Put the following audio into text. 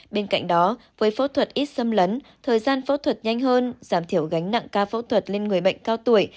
bên cạnh đó với phẫu thuật ít xâm lấn thời gian phẫu thuật nhanh hơn giảm thiểu gánh nặng ca phẫu thuật lên người bệnh cao tuổi